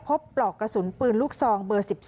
ปลอกกระสุนปืนลูกซองเบอร์๑๒